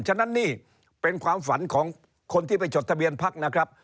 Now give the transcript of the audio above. ฉะนั้นนี่เป็นความฝันของคนที่ไปจดทะเบียนพักนะครับ